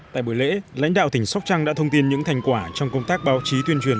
tại buổi lễ lãnh đạo tỉnh sóc trăng đã thông tin những thành quả trong công tác báo chí tuyên truyền